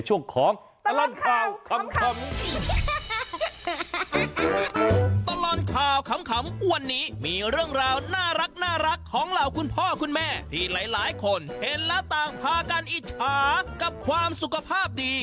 เห็นแล้วต่างพาการอิจฉากับความสุขภาพดี